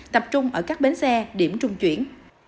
tập trung ở các bến xe điểm trung chuyển